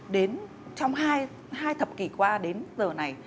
đến trong hai thập kỷ qua đến giờ này